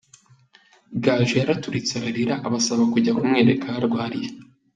Gaju yaraturitse ararira abasaba kujya kumwereka aho arwariye.